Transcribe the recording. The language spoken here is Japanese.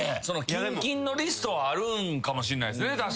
その近々のリストはあるんかもしんないっすね